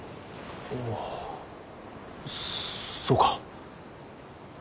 おそうか。